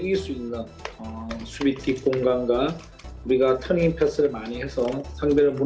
kita selalu melakukan latihan untuk menangkan gol